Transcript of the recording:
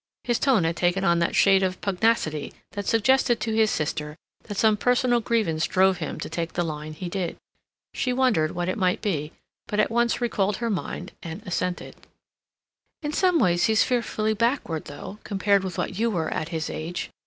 His tone had taken on that shade of pugnacity which suggested to his sister that some personal grievance drove him to take the line he did. She wondered what it might be, but at once recalled her mind, and assented. "In some ways he's fearfully backward, though, compared with what you were at his age.